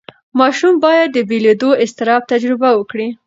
ماشوم باید د بېلېدو اضطراب تجربه وکړي.